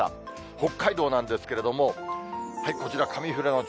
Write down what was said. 北海道なんですけれども、こちら、上富良野町。